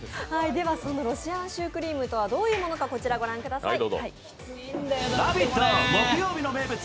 そのロシアンシュークリームとはどのようなものなのか、こちらをご覧ください。